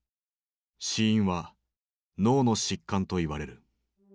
死因は脳の疾患といわれる。